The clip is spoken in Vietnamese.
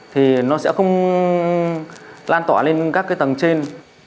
thì nó sẽ không lan tỏa lên các cái tầng trên